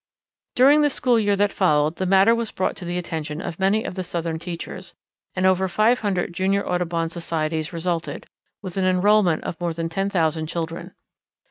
During the school year that followed the matter was brought to the attention of many of the Southern teachers, and over five hundred Junior Audubon societies resulted, with an enrollment of more than ten thousand children.